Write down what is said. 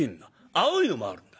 青いのもあるんだ。